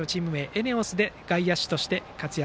ＥＮＥＯＳで外野手として活躍。